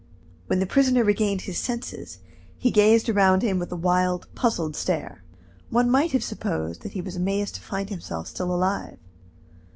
When the prisoner regained his senses, he gazed around him with a wild, puzzled stare. One might have supposed that he was amazed to find himself still alive.